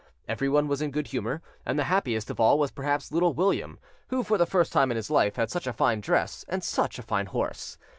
Everyone was in good humour, and the happiest of all was perhaps Little William, who for the first time in his life had such a fine dress and such a fine horse.